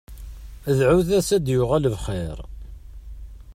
Dɛut-as ad d-yuɣal bxir.